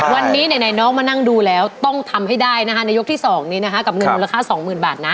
วันนี้ไหนน้องมานั่งดูแล้วต้องทำให้ได้นะคะในยกที่๒นี้นะคะกับเงินมูลค่าสองหมื่นบาทนะ